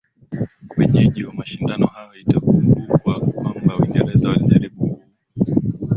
wenyeji wa mashindano hayo itakubukwa kwamba uingereza walijaribu kuu